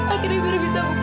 akhirnya biro bisa bukti